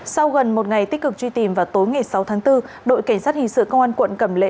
sau gần một ngày tích cực truy tìm vào tối ngày sáu tháng bốn đội cảnh sát hình sự công an quận cẩm lệ